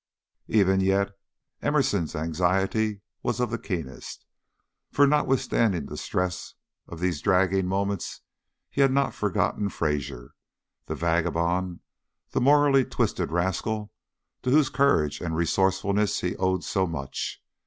Even yet Emerson's anxiety was of the keenest; for, notwithstanding the stress of these dragging moments, he had not forgotten Fraser, the vagabond, the morally twisted rascal, to whose courage and resourcefulness he owed so much.